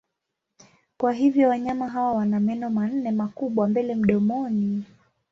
Kwa hivyo wanyama hawa wana meno manne makubwa mbele mdomoni.